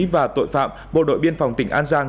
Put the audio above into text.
và tội phạm bộ đội biên phòng tỉnh an giang